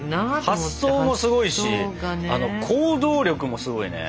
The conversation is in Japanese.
発想もすごいしあの行動力もすごいね。